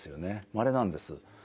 まれなんです。